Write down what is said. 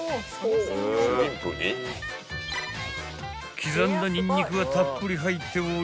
［刻んだにんにくがたっぷり入っており］